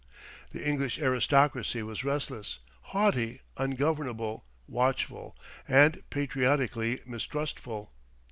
The English aristocracy was restless, haughty, ungovernable, watchful, and patriotically mistrustful.